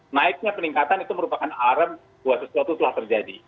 naiknya peningkatan itu merupakan arem dua sesuatu telah terjadi